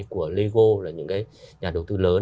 của lego là những cái nhà đầu tư lớn